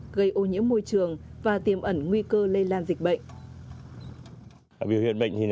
gây ô nhiễm môi trường và tiềm ẩn nguy cơ lây lan dịch bệnh